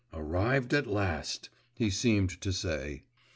'Arrived at last!' he seemed to say.